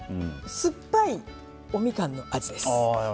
すっぱいおみかんの味です。